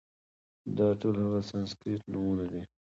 دا ټول هغه سانسکریت نومونه دي،